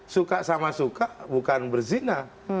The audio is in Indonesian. suka sama suka bukan berzina